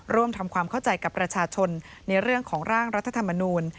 ร่วมทำความเข้าใจกับประชาชนในเรื่องของร่างรัฐธรรมนูล